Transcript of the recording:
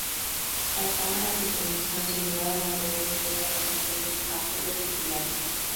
Las cámaras de televisión se llevaron a bordo de todas las misiones Apolo tripuladas.